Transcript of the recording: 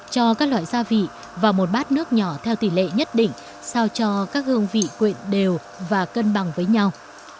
cho các loại gia vị và một bát nước nhỏ theo tỷ lệ nhất định sao cho các hương vị quyện đều và cân bằng với nhau